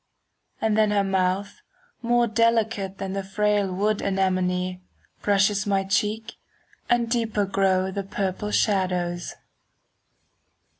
And then her mouth, more delicate 5 Than the frail wood anemone, Brushes my cheek, and deeper grow The purple shadows.